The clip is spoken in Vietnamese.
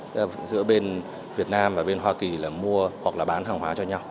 tức là giữa bên việt nam và bên hoa kỳ là mua hoặc là bán hàng hóa cho nhau